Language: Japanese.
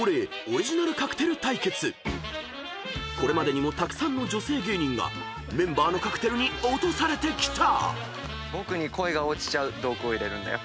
［これまでにもたくさんの女性芸人がメンバーのカクテルに落とされてきた］